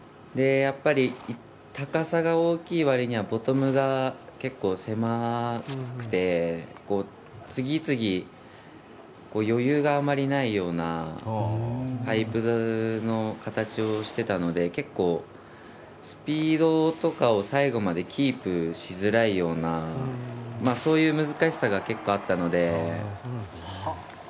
高さが大きい割にはボトムが結構狭くて次々、余裕があまりないようなパイプの形をしていたので結構、スピードとかを最後までキープしづらいようなそういう難しさが結構あったので。